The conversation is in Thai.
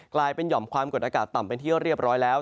กลายเป็นหย่อมความกดอากาศต่ำเป็นที่เรียบร้อยแล้ว